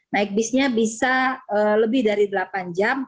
naik bisnya bisa lebih dari delapan jam